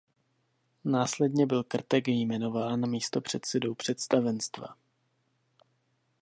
Následně byl Krtek jmenován místopředsedou představenstva.